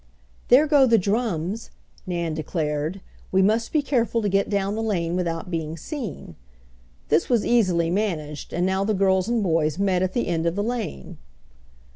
"There go the drums!" Nan declared. "We must be careful to get down the lane without being seen." This was easily managed, and now the girls and boys met at the end of the lane.